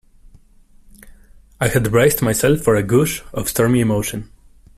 I had braced myself for a gush of stormy emotion.